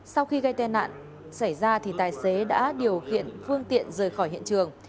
sau khi gây tai nạn xảy ra thì tài xế đã điều khiển phương tiện rời khỏi hiện trường